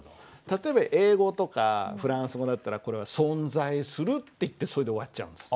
例えば英語とかフランス語だったらこれは「存在する」って言ってそれで終わっちゃうんです。